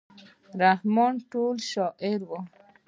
رحمان د ټولو شاعر و.